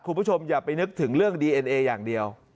คุณผู้ชมอย่าไปนึกถึงเรื่องดีเอ็นเออย่างเดียว